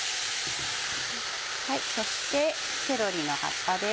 そしてセロリの葉っぱです。